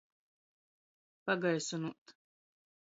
Pagaisynuot.